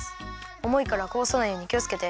おもいからこぼさないようにきをつけて。